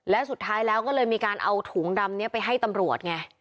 และสุดท้ายแล้วก็เลยมีการเอาถุงดำนี้ไปให้ตำรวจไง